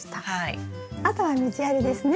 あとは水やりですね？